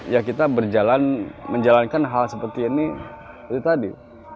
ya kita berjalan menjalankan hal seperti ini itu tadi